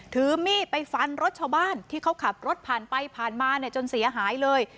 ถือมีดไปฟันรถชาวบ้านที่เขาขับรถผ่านไปผ่านมาเนี่ยจนเสียหายเลย